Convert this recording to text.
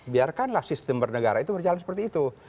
biarkanlah sistem bernegara itu berjalan seperti itu